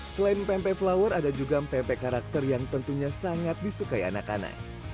selain pempek flower ada juga mpe karakter yang tentunya sangat disukai anak anak